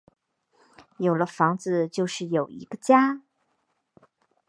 有了房子就是有一个家